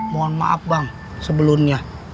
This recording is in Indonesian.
mohon maaf bang sebelumnya